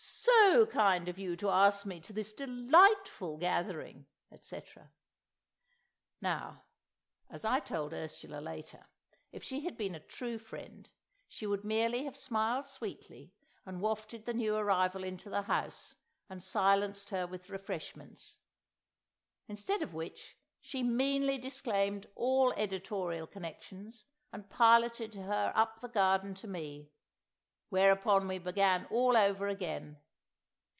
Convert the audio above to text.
So kind of you to ask me to this delightful gathering——" etc. Now, as I told Ursula later, if she had been a true friend, she would merely have smiled sweetly and wafted the new arrival into the house, and silenced her with refreshments. Instead of which, she meanly disclaimed all editorial connections, and piloted her up the garden to me. Whereupon we began all over again.